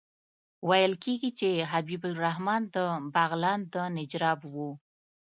ویل کېږي چې حبیب الرحمن د بغلان د نجراب وو.